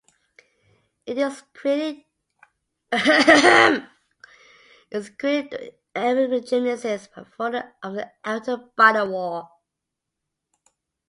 It is created during embryogenesis by a folding of the outer body wall.